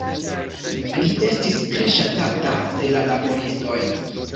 Li estis tre ŝatata de la laboristoj.